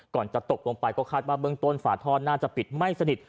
จะตกลงไปก็คาดว่าเบื้องต้นฝาท่อน่าจะปิดไม่สนิท